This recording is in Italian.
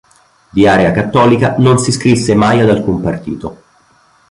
Di area cattolica, non si iscrisse mai ad alcun partito.